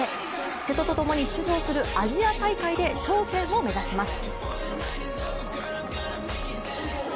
瀬戸と共に出場するアジア大会で頂点を目指します。